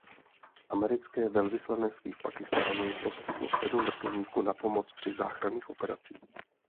Americké velvyslanectví v Pákistánu poskytlo sedm vrtulníků na pomoc při záchranných operacích.